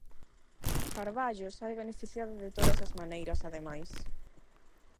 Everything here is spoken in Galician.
Carballo sae beneficiado de todas as maneiras ademais.